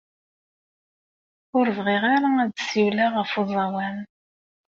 Ur bɣiɣ ara ad ssiwleɣ ɣef uẓawan.